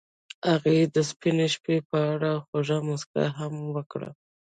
هغې د سپین شپه په اړه خوږه موسکا هم وکړه.